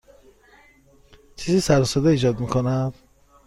چیزی سر و صدا ایجاد می کند.